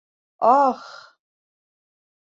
Аһ!